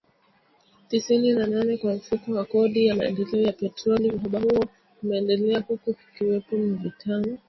tisini na nane kwa Mfuko wa Kodi ya Maendeleo ya Petroli uhaba huo umeendelea huku kukiwepo mivutano